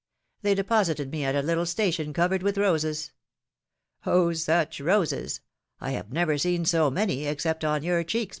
They deposited me at a little station covered with roses. Oh ! such roses ! I have never seen so many, except on your cheeks.